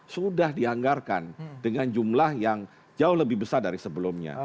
sudah dianggarkan dengan jumlah yang jauh lebih besar dari sebelumnya